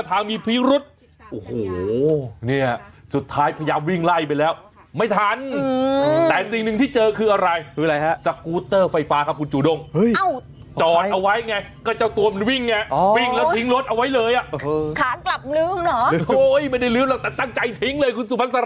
อ่าโดนจับได้แน่แน่อ๋อสกูเตอร์เนอะเสียว่าเออเออใช่ไหมอ่ะอีก